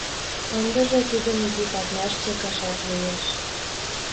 Ындыже тудым изи парняш чыкашат лиеш.